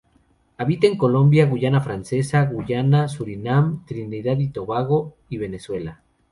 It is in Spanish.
Habita en Colombia, Guayana Francesa, Guayana, Surinam, Trinidad y Tobago y Venezuela.